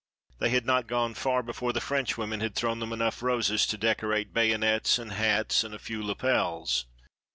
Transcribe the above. They had not gone far before the Frenchwomen had thrown them enough roses to decorate bayonets and hats and a few lapels.